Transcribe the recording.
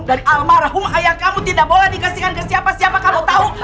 dari almarhum ayah kamu tidak boleh dikasihkan ke siapa siapa kamu tahu